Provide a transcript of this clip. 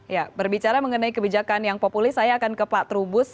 ya berbicara mengenai kebijakan yang populis saya akan ke pak trubus